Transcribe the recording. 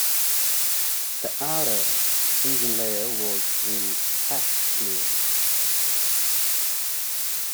The outer "fusion layer" was in fact glue.